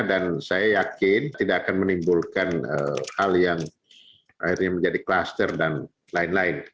dan saya yakin tidak akan menimbulkan hal yang akhirnya menjadi kluster dan lain lain